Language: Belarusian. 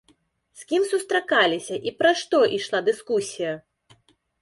З кім сустракаліся і пра што ішла дыскусія?